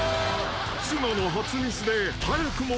［綱の初ミスで］